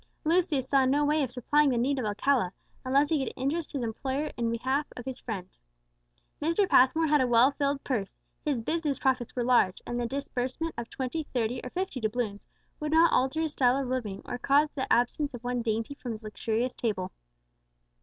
Lucius saw no way of supplying the need of Alcala, unless he could interest his employer in the behalf of his friend. Mr. Passmore had a well filled purse, his business profits were large, and the disbursement of twenty, thirty, or fifty doubloons would not alter his style of living, or cause the absence of one dainty from his luxurious table.